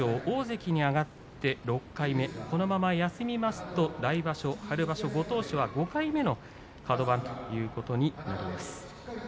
大関に上がって６回目このまま休みますと来場所、春場所ご当所は５回目のカド番ということになります。